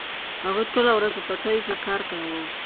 هغوی ټوله ورځ په پټیو کې کار کاوه.